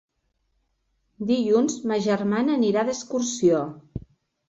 Dilluns ma germana anirà d'excursió.